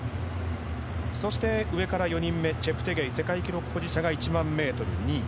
そして上から４人目チェプテゲイ世界記録保持者が１００００ｍ２位。